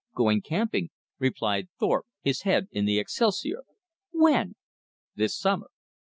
"Going camping," replied Thorpe, his head in the excelsior. "When?" "This summer."